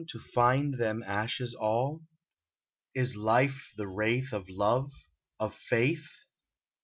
To find them ashes all ? Is life the wraith of love — of faith